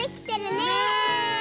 ねえ。